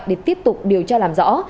để tiếp tục điều tra làm rõ